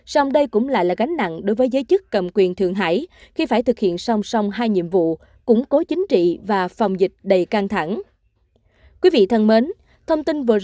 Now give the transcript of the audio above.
xong đây cũng lại là gánh nặng đối với giới chức cầm quyền thượng hải khi phải thực hiện song song hai nhiệm vụ